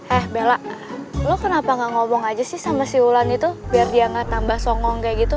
eh bella lo kenapa gak ngomong aja sih sama si wulan itu biar dia nggak tambah songong kayak gitu